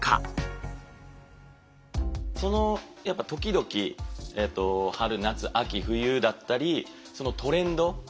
そのやっぱ時々春夏秋冬だったりそのトレンド